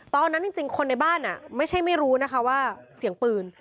ตอนนั้นจริงคนในบ้านไม่ใช่ไม่รู้นะคะว่าเสียงปืน